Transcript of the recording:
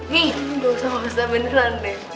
nih gak usah usah beneran deh